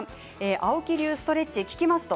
青木流ストレッチは効きます。